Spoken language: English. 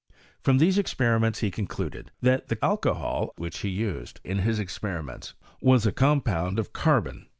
From these esperimenls be concluded, that the alcohol which he used in his experiments was a compound of Carbon